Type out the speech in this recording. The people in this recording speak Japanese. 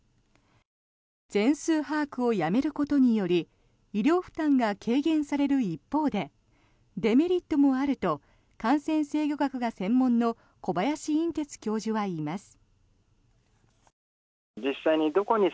全数把握をやめることにより医療負担が軽減される一方でデメリットもあると感染制御学が専門の小林寅てつ教授は言います。